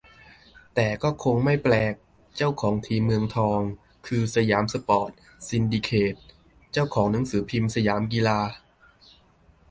แต่ก็คงไม่แปลก เจ้าของทีมเมืองทอง คือ สยามสปอร์ต ซินดิเคต เจ้าของหนังสือพิมพ์สยามกีฬา